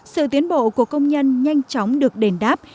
sự tiến bộ của công nhân nhanh chóng được đền đáp